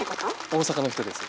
大阪の人です。